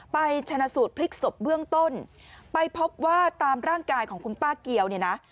ชนะสูตรพลิกศพเบื้องต้นไปพบว่าตามร่างกายของคุณป้าเกียวเนี่ยนะ